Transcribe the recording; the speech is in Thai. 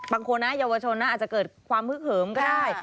บางคนนะเยาวชนนะอาจจะเกิดความฮึกเหิมก็ได้